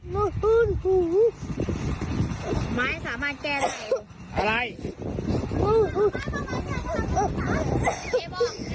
ไม้สามารถแก้ละเอง